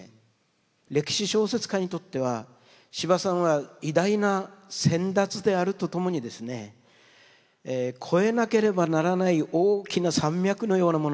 歴史小説家にとっては司馬さんは偉大な先達であるとともにですね越えなければならない大きな山脈のようなものなんですね。